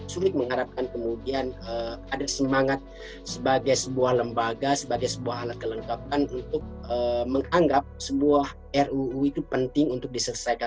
sulit mengharapkan kemudian ada semangat sebagai sebuah lembaga sebagai sebuah alat kelengkapan untuk menganggap sebuah ruu itu penting untuk diselesaikan